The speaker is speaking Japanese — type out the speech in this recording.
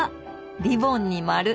リボンに丸。